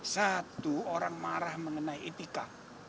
satu orang marah mengenai etika